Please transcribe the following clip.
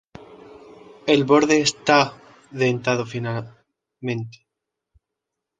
El borde está dentado finamente.